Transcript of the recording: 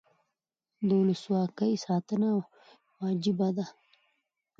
د ولسواکۍ ساتنه وجیبه ده